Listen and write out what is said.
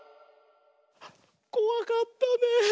こわかったねえ。